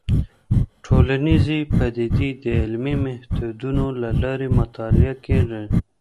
ټولنيزې پديدې د علمي ميتودونو له لارې مطالعه کيږي.